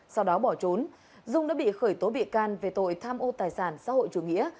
sau đó bỏ trốn dung đã bị khởi tố bị can về tội tham ô tài sản xã hội chủ nghĩa